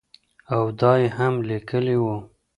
او دا ئې هم ليکلي وو